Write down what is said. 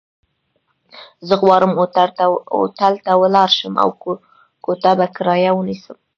زه غواړم هوټل ته ولاړ شم، او کوټه په کرايه ونيسم.